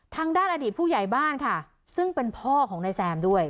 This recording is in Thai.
ทางด้านอดีตผู้ใหญ่บ้านค่ะซึ่งเป็นพ่อของนายแซมด้วย